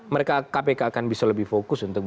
mereka kpk akan bisa lebih fokus untuk